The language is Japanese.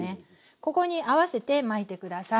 ここに合わせて巻いて下さい。